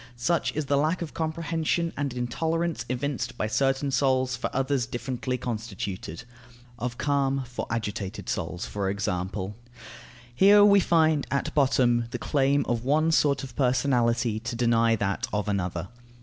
Such is the lack of comprehension and intolerance evinced by certain souls for others differently constituted (of calm for agitated souls, for example). Here we find at bottom the claim of one sort of personality to deny that of another.